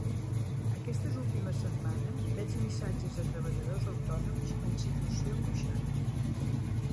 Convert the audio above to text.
Aquestes últimes setmanes veig missatges de treballadors autònoms en situació angoixant.